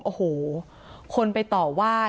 โอ้โหคนไปต่อว่า